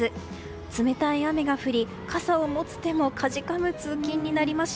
冷たい雨が降り、傘を持つ手もかじかむ通勤となりました。